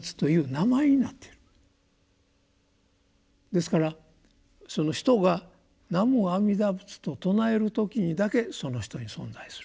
ですからその人が「南無阿弥陀仏」と称える時にだけその人に存在すると。